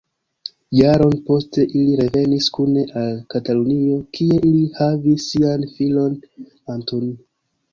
Jaron poste ili revenis kune al Katalunio, kie ili havis sian filon Antoni.